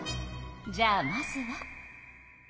じゃあまずは。